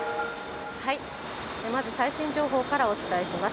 まず最新情報からお伝えします。